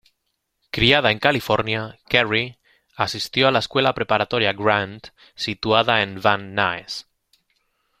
Criada en California, Kerry asistió a la Escuela Preparatoria Grant, situada en Van Nuys.